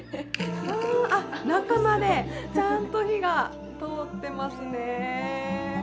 あっ中までちゃんと火が通ってますね。